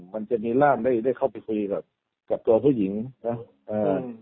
มันจะมีร่างได้เข้าไปคุยกับตัวผู้หญิงนะ